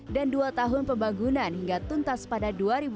dan dua tahun pembangunan hingga tuntas pada dua ribu dua puluh